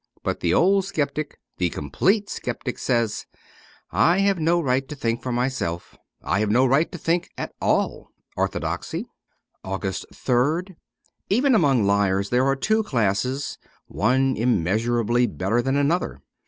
But the old sceptic, the complete sceptic, says, * I have no right to think for myself. I have no right to think at all.' 'Orthodoxy.' 240 AUGUST 3rd EVEN among liars there are two classes, one immeasurably better than another.